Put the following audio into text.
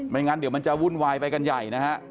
งั้นเดี๋ยวมันจะวุ่นวายไปกันใหญ่นะฮะ